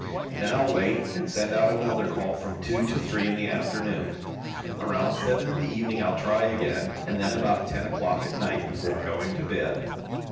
Then I'll wait, and send out another call from two to three in the afternoon. Around seven in the evening I'll try again, and then about ten o'clock at night, before going to bed."